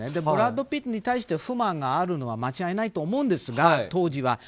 ブラッド・ピットに対して不満があるのは間違いないと思うんですが、当時は。